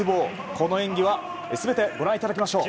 この演技は全てご覧いただきましょう。